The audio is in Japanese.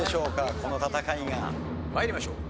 この戦いが。参りましょう。